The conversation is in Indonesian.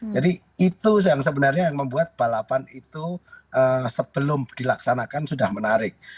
jadi itu yang sebenarnya yang membuat balapan itu sebelum dilaksanakan sudah menarik